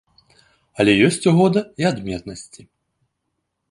Але ёсць у года і адметнасці.